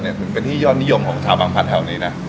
เป็นจักรนิยมของชาวบัมพรรดิแถวนี้นะ